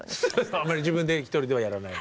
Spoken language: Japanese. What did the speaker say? あまり自分で一人ではやらないと。